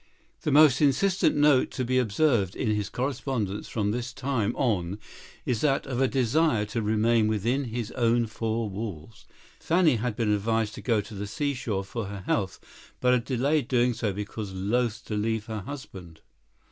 The most insistent note to be observed in his correspondence from this time on is that of a desire to remain within his own four walls. Fanny had been advised to go to the seashore for her health, but had delayed doing so because loath to leave her husband.